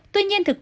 tuy nhiên thực tế